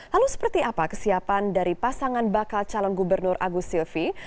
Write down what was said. lalu seperti apa kesiapan dari pasangan bakal calon gubernur agus silvi